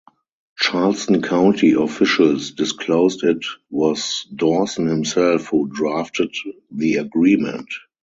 Charleston County officials disclosed it was Dawson himself who drafted the agreement.